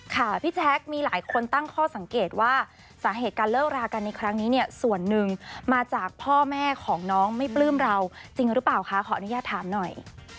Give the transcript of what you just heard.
พี่แจ๊คมีหลายคนตั้งข้อสังเกตว่าสาเหตุการเลิกรากันในครั้งนี้เนี่ยส่วนหนึ่งมาจากพ่อแม่ของน้องไม่ปลื้มเราจริงหรือเปล่าคะขออนุญาตถามหน่อย